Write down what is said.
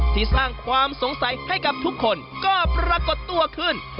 ที่สร้างความสงสัยให้กับทุกคนก็ปรากฏตัวขึ้น